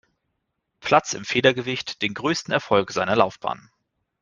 Platz im Federgewicht den größten Erfolg seiner Laufbahn.